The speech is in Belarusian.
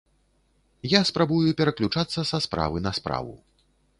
Я спрабую пераключацца са справы на справу.